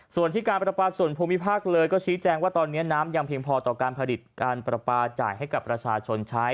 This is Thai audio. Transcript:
ส่วนที่การประปาส่วนภูมิภาคเลยก็ชี้แจงว่าตอนนี้น้ำยังเพียงพอต่อการผลิตการประปาจ่ายให้กับประชาชนใช้